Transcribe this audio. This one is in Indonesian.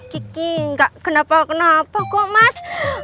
gigi gak kenapa kenapa kok mas